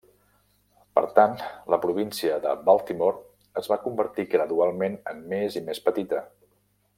Per tant, la Província de Baltimore es va convertir gradualment en més i més petita.